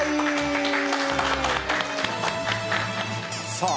⁉さあ